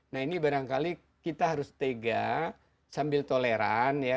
nah ini barangkali kita harus tega sambil toleran ya